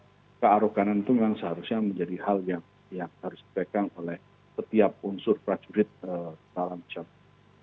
maka kearokan itu memang seharusnya menjadi hal yang harus diperlukan oleh setiap unsur prajurit dalam jadwal